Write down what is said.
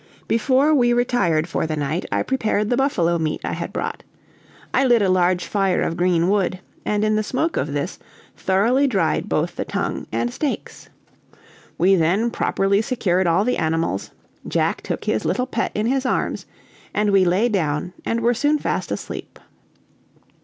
Before we retired for the night I prepared the buffalo meat I had brought. I lit a large fire of green wood, and in the smoke of this thoroughly dried both the tongue and steaks. We then properly secured all the animals, Jack took his little pet in his arms, and we lay down and were soon fast asleep.